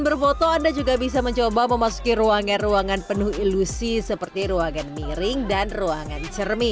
berfoto anda juga bisa mencoba memasuki ruangan ruangan penuh ilusi seperti ruangan miring dan ruangan cermin